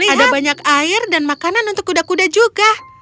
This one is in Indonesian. ada banyak air dan makanan untuk kuda kuda juga